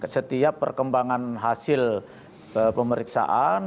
setiap perkembangan hasil pemeriksaan